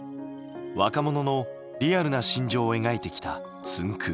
若者のリアルな心情を描いてきたつんく♂。